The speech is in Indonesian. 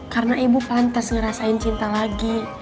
karena ibu pantas ngerasain cinta lagi